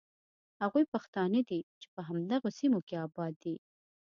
هغوی پښتانه دي چې په همدغو سیمو کې آباد دي.